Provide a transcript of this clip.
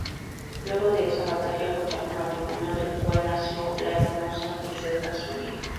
Luego de esa batalla contrajo matrimonio del cual nació la hermosa princesa Zulia.